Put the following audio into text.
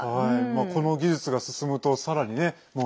この技術が進むと、さらにね。